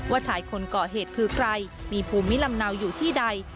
ชายคนก่อเหตุคือใครมีภูมิลำเนาอยู่ที่ใด